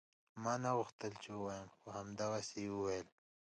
ما نه غوښتل چې ووايم خو همدغسې يې وويل.